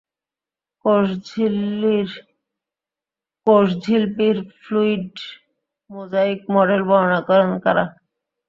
কোষঝিল্পির fluid mosaic model বর্ণনা করেন কারা?